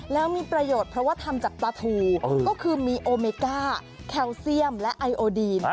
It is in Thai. แล้วมีประโยชน์เพราะว่าทำจากปลาทูก็คือมีโอเมก้าแคลเซียมและไอโอดีน